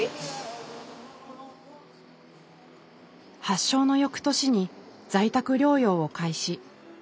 発症の翌年に在宅療養を開始。